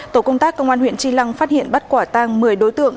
tổ công tác công an huyện chi lăng phát hiện bắt quả tàng một mươi đối tượng